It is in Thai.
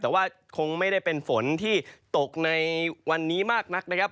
แต่ว่าคงไม่ได้เป็นฝนที่ตกในวันนี้มากนักนะครับ